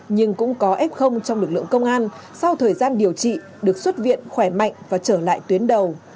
nhưng cũng có f trong lực lượng công an sau thời gian điều trị được xuất viện khỏe mạnh và trở lại tuyến đầu